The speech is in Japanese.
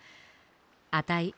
あたい